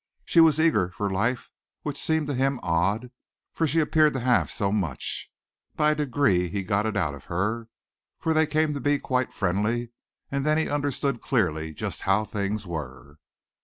She was eager for life, which seemed to him odd, for she appeared to have so much. By degrees he got it out of her, for they came to be quite friendly and then he understood clearly just how things were.